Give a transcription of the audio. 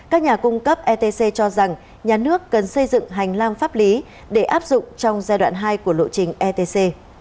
các nhà cung cấp etc cho rằng nhà nước cần xây dựng hành lang pháp lý để áp dụng trong giai đoạn hai của lộ trình etc